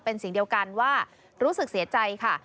เป็นสิ่งเดียวกันว่ารู้สึกเสียใจค่ะ